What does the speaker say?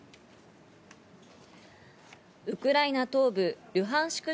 ウクライナ東部ルハンシク